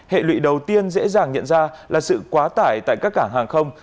hệ lụy đầu tiên dễ dàng nhận ra là sự quá tải tại các cảng hàng không